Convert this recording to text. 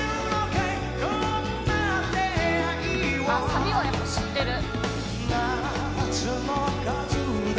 サビはやっぱ知ってる。